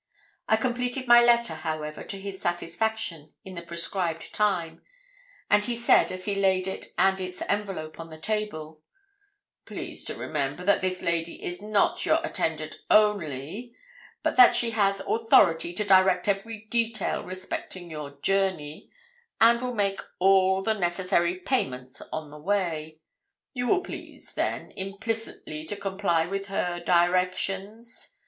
I completed my letter, however, to his satisfaction in the prescribed time; and he said, as he laid it and its envelope on the table 'Please to remember that this lady is not your attendant only, but that she has authority to direct every detail respecting your journey, and will make all the necessary payments on the way. You will please, then, implicitly to comply with her directions.